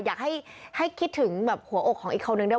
อยากให้คิดถึงแบบหัวอกของอีกคนนึงด้วย